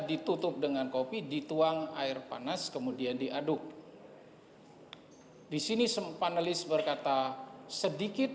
ditutup dengan kopi dituang air panas kemudian diaduk hai disini sempat nulis berkata sedikit